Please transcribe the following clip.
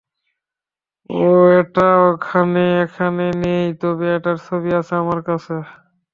এটা এখানে নেই, তবে এটার ছবি আছে আমার কাছে।